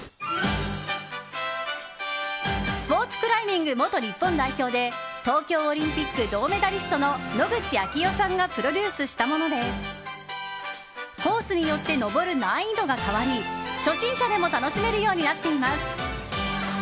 スポーツクライミング元日本代表で東京オリンピック銅メダリストの野口啓代さんがプロデュースしたものでコースによって登る難易度が変わり初心者でも楽しめるようになっています。